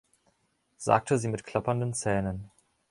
Sagte sie mit klappernden Zähnen.